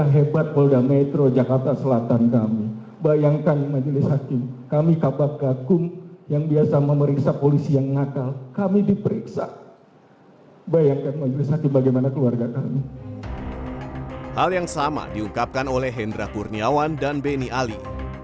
hal yang sama diungkapkan oleh hendra kurniawan dan benny ali